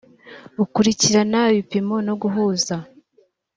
ukurikirana ibipimo no guhuza